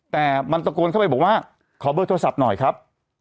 แต่มันตะโกนเข้าไปบอกว่าขอเบอร์โทรศัพท์หน่อยครับ